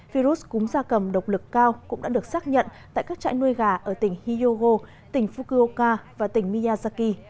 virus cúm da cầm độc lực cao cũng đã được xác nhận tại các trại nuôi gà ở tỉnh hyogo tỉnh fukuoka và tỉnh miyazaki